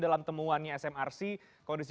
dalam temuannya smrc kondisi